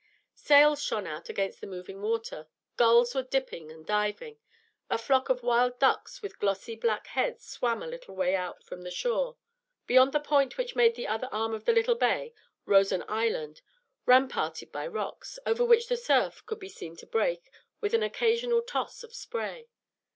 Sails shone against the moving water; gulls were dipping and diving; a flock of wild ducks with glossy black heads swam a little away out from the shore. Beyond the point which made the other arm of the little bay rose an island, ramparted by rocks, over which the surf could be seen to break with an occasional toss of spray.